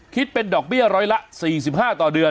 คิดเป็นดอกเบี้ยร้อยละ๔๕ต่อเดือน